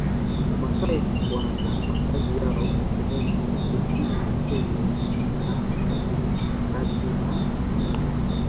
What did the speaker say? Wamasai wana makazi yao sehemu za Kusini mwa Kenya na Kaskazini kati mwa Tanzania